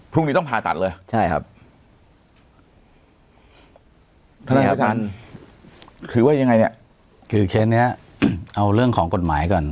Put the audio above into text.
พรุ่งนี้ต้องผ่าตัดเลยใช่ครับทนายอาจารย์คือว่ายังไงเนี่ยคือเคสเนี้ยเอาเรื่องของกฎหมายก่อน